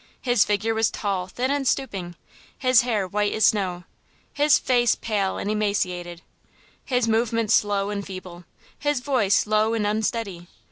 His figure was tall, thin and stooping; his hair white as snow, his face pale and emaciated; his movements slow and feeble, and his voice low and unsteady!